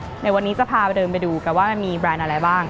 เดี๋ยววันนี้จะพาไปเดินไปดูกันว่ามันมีแบรนด์อะไรบ้าง